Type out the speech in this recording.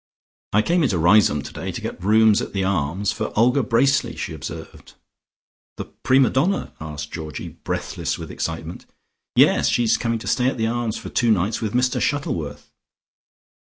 "I came into Riseholme today to get rooms at the Arms for Olga Bracely," she observed. "The prima donna?" asked Georgie breathless with excitement. "Yes; she is coming to stay at the Arms for two nights with Mr Shuttleworth."